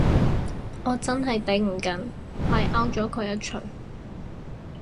我真係頂唔緊，咪摳咗佢一鎚